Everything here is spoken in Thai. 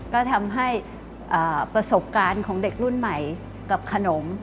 ก็ทำให้ประสบการณ์ของเด็กรุ่นใหม่กับขนม